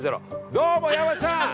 どうも山ちゃん！